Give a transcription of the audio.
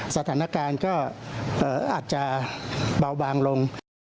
สถานการณ์ก็อาจจะเบาบางลง